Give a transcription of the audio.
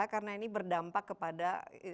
karena ini berdampak kepada